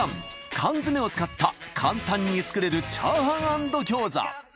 缶詰を使った簡単に作れるチャーハン＆餃子！